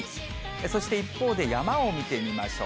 そして一方で山を見てみましょう。